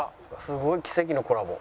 すごい奇跡のコラボ。